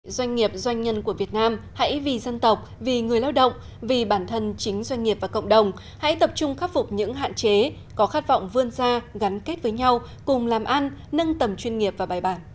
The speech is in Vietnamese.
doanh nghiệp doanh nhân của việt nam hãy vì dân tộc vì người lao động vì bản thân chính doanh nghiệp và cộng đồng hãy tập trung khắc phục những hạn chế có khát vọng vươn ra gắn kết với nhau cùng làm ăn nâng tầm chuyên nghiệp và bài bản